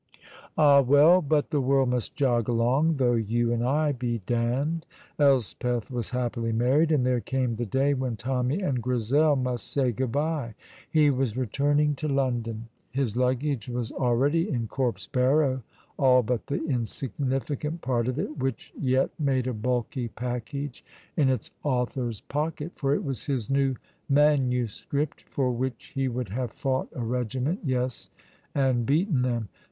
Ah, well, but the world must jog along though you and I be damned. Elspeth was happily married, and there came the day when Tommy and Grizel must say good bye. He was returning to London. His luggage was already in Corp's barrow, all but the insignificant part of it, which yet made a bulky package in its author's pocket, for it was his new manuscript, for which he would have fought a regiment, yes, and beaten them.